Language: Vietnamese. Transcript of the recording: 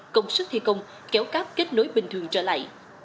công sức thi công kéo cáp kết nối bình thường trở lại